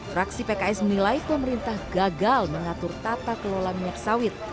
fraksi pks menilai pemerintah gagal mengatur tata kelola minyak sawit